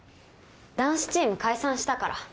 ダンスチーム解散したから。